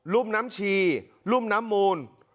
ุ่มน้ำชีรุ่มน้ำมูล